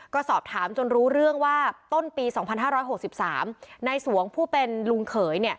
ก็สอบถามจนรู้เรื่องว่าต้นปี๒๕๖๓นายสวงผู้เป็นลุงเขย